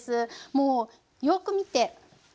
もうよく見て。